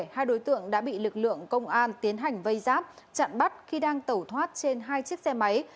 hai đối tượng đã bị lực lượng công an tiến hành vây giáp chặn bắt khi đang tẩu thoát trên hai chiếc xe máy